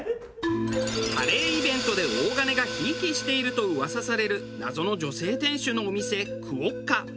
カレーイベントで大金が贔屓していると噂される謎の女性店主のお店クオッカ。